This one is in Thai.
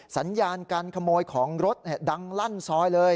สัญญาการขโมยของรถดังลั่นซอยเลย